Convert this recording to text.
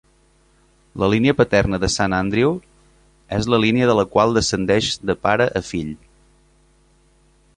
La línia paterna de Sant Andrew és la línia de la qual descendeix de pare a fill.